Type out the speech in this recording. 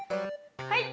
はい！